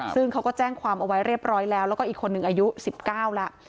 แล้วก็แจ้งความเอาไว้เรียบร้อยแล้วแล้วก็อีกคนหนึ่งอายุสิบเก้าละ